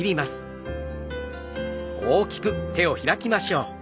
大きく開きましょう。